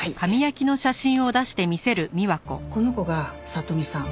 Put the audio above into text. この子が聖美さん。